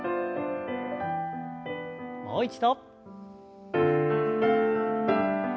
もう一度。